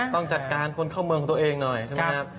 ต้องจัดการคนเข้าเมืองของตัวเองหน่อยใช่ไหมครับ